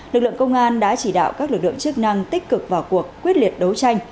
lực lượng công an đã chỉ đạo các lực lượng chức năng tích cực vào cuộc quyết liệt đấu tranh